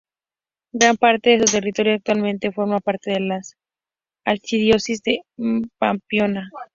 Gran parte de su territorio actualmente forma parte de la archidiócesis de Pamplona.